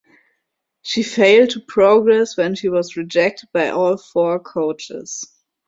She failed to progress when she was rejected by all four coaches.